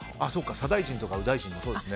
左大臣とか右大臣もそうですね。